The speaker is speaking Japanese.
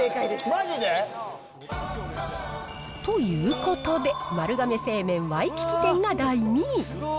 まじで？ということで、丸亀製麺ワイキキ店が第２位。